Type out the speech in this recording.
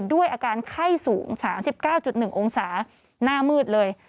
ด้วยอาการไข้สูง๓๙๑องศาหน้ามืดเลย